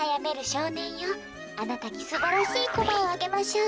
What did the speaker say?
あなたにすばらしいコマをあげましょう。